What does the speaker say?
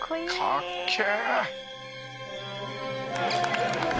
「かっけえ！」